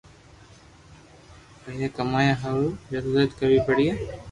پييا ڪمايا ھارو جدوجد ڪروي پڙي